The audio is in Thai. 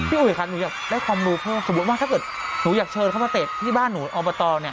อุ๋ยคะหนูอยากได้ความรู้เพิ่มสมมุติว่าถ้าเกิดหนูอยากเชิญเข้ามาเตะที่บ้านหนูอบตเนี่ย